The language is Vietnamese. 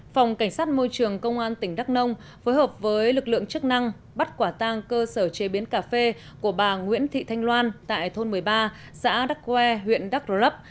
phòng cảnh sát môi trường công an tỉnh đắk nông phối hợp với lực lượng chức năng bắt quả tang cơ sở chế biến cà phê của bà nguyễn thị thanh loan tại thôn một mươi ba xã đắk que huyện đắk rơ lấp